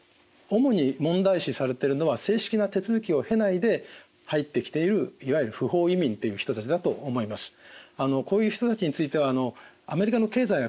主に問題視されてるのは正式な手続きを経ないで入ってきているいわゆる不法移民という人たちだと思います。